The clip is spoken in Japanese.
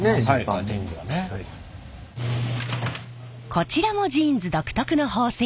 こちらもジーンズ独特の縫製技術。